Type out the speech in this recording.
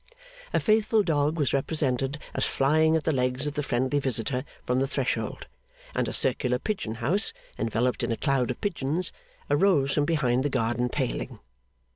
A faithful dog was represented as flying at the legs of the friendly visitor, from the threshold; and a circular pigeon house, enveloped in a cloud of pigeons, arose from behind the garden paling.